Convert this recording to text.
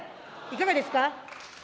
いかがですか。